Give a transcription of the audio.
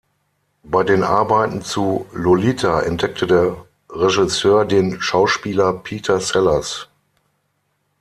Bei den Arbeiten zu "Lolita" entdeckte der Regisseur den Schauspieler Peter Sellers.